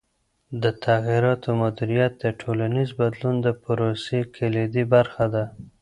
د تغییراتو مدیریت د ټولنیز بدلون د پروسې کلیدي برخه ده.